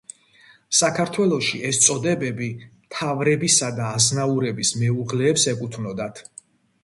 საქართველოში ეს წოდებები მთავრებისა და აზნაურების მეუღლეებს ეკუთვნოდათ.